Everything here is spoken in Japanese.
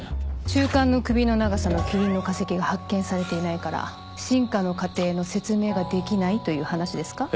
中間の首の長さのキリンの化石が発見されていないから進化の過程の説明ができないという話ですか？